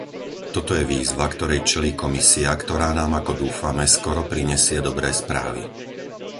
Toto je výzva, ktorej čelí Komisia, ktorá nám ako dúfame skoro prinesie dobré správy.